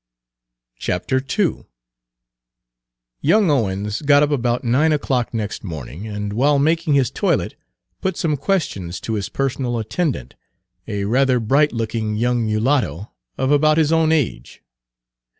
Page 174 II Young Owens got up about nine o'clock next morning, and while making his toilet put some questions to his personal attendant, a rather bright looking young mulatto of about his own age.